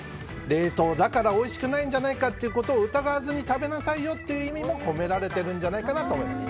冷凍だからおいしくないんじゃないかということを疑わずに食べなさいよという意味も込められているんじゃないかと思います。